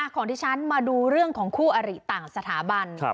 ของที่ฉันมาดูเรื่องของคู่อริต่างสถาบัน